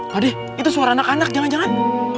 pak de itu suara anak anak jangan jangan